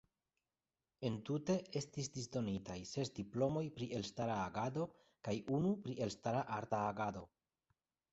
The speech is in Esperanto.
Entute estis disdonitaj ses diplomoj pri elstara agado kaj unu pri elstara arta agado.